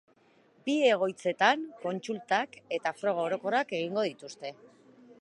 Bi egoitzetan kontsultak eta froga orokorrak egingo dituzte.